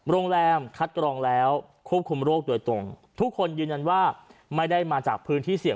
โรงแรมคัดกรองแล้วควบคุมโรคโดยตรงทุกคนยืนยันว่าไม่ได้มาจากพื้นที่เสี่ยง